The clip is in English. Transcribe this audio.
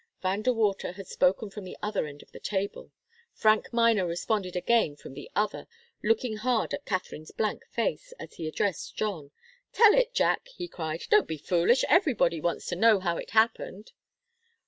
Van De Water had spoken from the end of the table. Frank Miner responded again from the other, looking hard at Katharine's blank face, as he addressed John. "Tell it, Jack!" he cried. "Don't be foolish. Everybody wants to know how it happened."